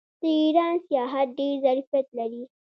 د ایران سیاحت ډیر ظرفیت لري.